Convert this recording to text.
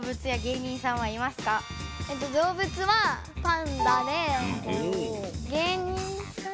動物はパンダで芸人さん